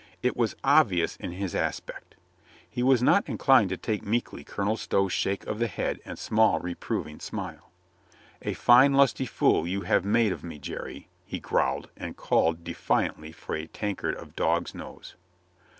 It was obvious in his aspect. He was not inclined to take meekly Colonel Stow's shake of the head and small reproving smile. "A fine lusty fool you have made of me, Jerry," he growled and called defiantly for a tankard of dog's nose.